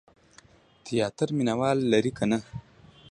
تیاتر مینه وال لري که نه؟